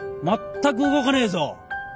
全く動かねえぞ。